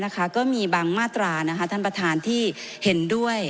ก็มีบางมาตราท่านประธานที่เห็นด้วย